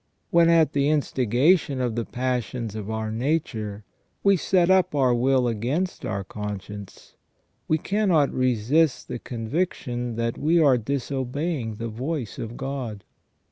When, at the instigation of the passions of our nature, we set up our will against our conscience, we can not resist the conviction that we are disobeying the voice of God.